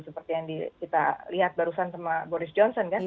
seperti yang kita lihat barusan sama boris johnson kan